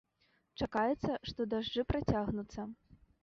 Чакаецца, што дажджы працягнуцца.